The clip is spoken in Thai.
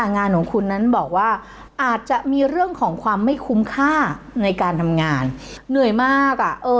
งานของคุณนั้นบอกว่าอาจจะมีเรื่องของความไม่คุ้มค่าในการทำงานเหนื่อยมากอ่ะเออ